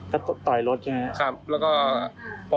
ก็ต่อยรถใช่ไหมครับ